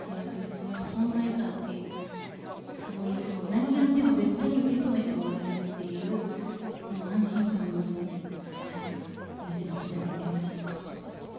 そのやっぱり存在感という、すごい、いつも何やっても、絶対に受け止めてもらえるという、もう安心感のもとで、やらせていただいてました。